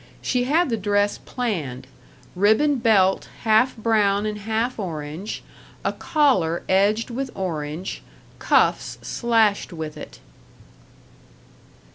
She had the dress planned ribbon belt half brown and half orange, a collar edged with orange, cuffs slashed with it.